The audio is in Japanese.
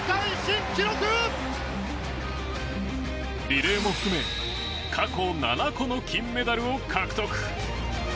リレーも含め過去７個の金メダルを獲得。